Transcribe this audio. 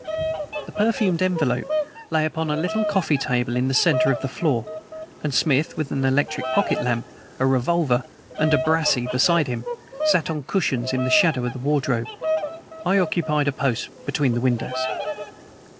The perfumed envelope lay upon a little coffee table in the center of the floor, and Smith, with an electric pocket lamp, a revolver, and a brassey beside him, sat on cushions in the shadow of the wardrobe. I occupied a post between the windows.